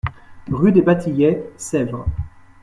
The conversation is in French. Rue des Bas Tillets, Sèvres